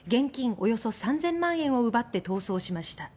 およそ３０００万円を奪って逃走しました。